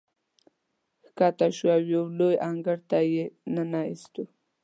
ښکته شوو او یو لوی انګړ ته یې ننه ایستو.